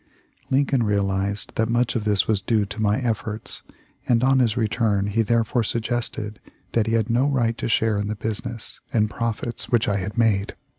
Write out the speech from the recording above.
Lincoln realized that much of this was due to my efforts, and on his return he therefore suggested that he had no right to share in the business and profits which I had made.